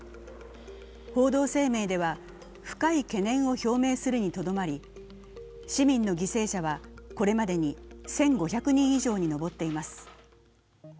報道声明では深い懸念を表明するにとどまり市民の犠牲者はこれまでに１５００人以上に上っています。